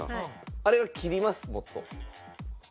あれは切りますもっと。